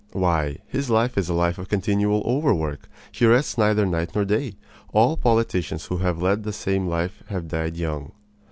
Why, his life is a life of continual overwork. He rests neither night nor day. All politicians who have led the same life have died young.